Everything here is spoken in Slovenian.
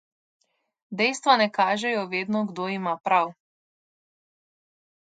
Dejstva ne kažejo vedno, kdo ima prav.